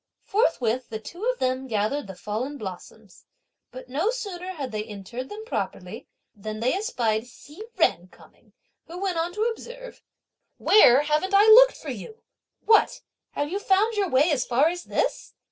Forthwith the two of them gathered the fallen blossoms; but no sooner had they interred them properly than they espied Hsi Jen coming, who went on to observe: "Where haven't I looked for you? What! have you found your way as far as this!